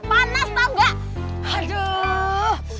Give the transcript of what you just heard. panas tau gak